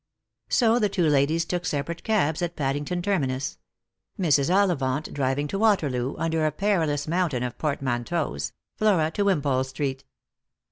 .So the two ladies took separate cabs at Paddington terminus ; Mr s. Ollivant driving to Waterloo, under a perilous mountain, of portmanteaus, Flora to Wimpole street.